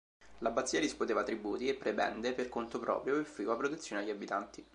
L'abbazia riscuoteva tributi e prebende per conto proprio e offriva protezione agli abitanti.